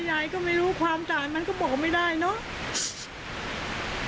ยายก็ไม่รู้ความด่านมันก็บอกไม่ได้เนอะ